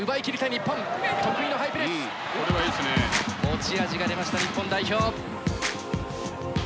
持ち味が出ました日本代表。